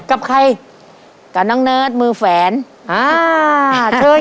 ครอบครัวของแม่ปุ้ยจังหวัดสะแก้วนะครับ